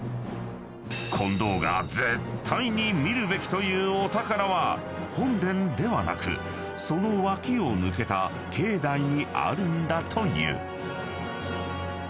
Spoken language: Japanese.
［近藤が絶対に見るべきというお宝は本殿ではなくその脇を抜けた境内にあるんだという］